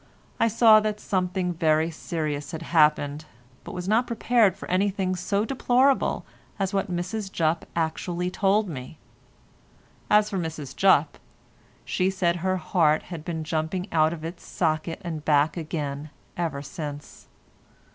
I saw that something very serious had happened, but was not prepared for anything so deplorable as what Mrs Jupp actually told me. As for Mrs Jupp, she said her heart had been jumping out of its socket and back again ever since.